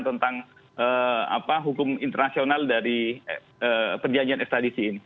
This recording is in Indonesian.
tentang hukum internasional dari perjanjian ekstradisi ini